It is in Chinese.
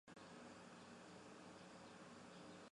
该体育场归恩波利市政府所有。